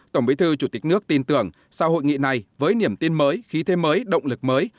tổng bí thư chủ tịch nước tin tưởng sau hội nghị này với niềm tin mới khí thế mới động lực mới